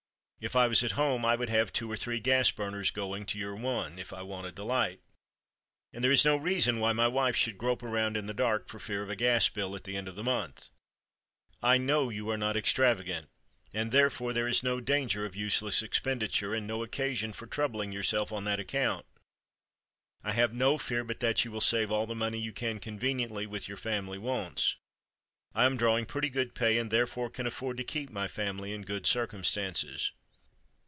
If I was at home I would have two or three gas burners going to your one, if I wanted the light; and there is no reason why my wife should grope around in the dark for fear of a gas bill at the end of the month. I know you are not extravagant and therefore there is no danger of useless expenditure, and no occasion for troubling yourself on that account. I have no fear but that you will save all the money you can conveniently with your family wants. I am drawing pretty good pay, and therefore can afford to keep my family in good circumstances."